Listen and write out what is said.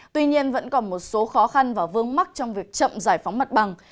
tuy nhiên vẫn còn một số khó khăn và vương mắc trong việc chậm giải phóng mặt bằng